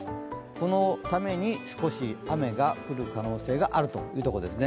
このために、少し雨が降る可能性があるというところですね